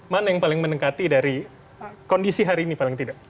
mana yang paling mendekati dari kondisi hari ini paling tidak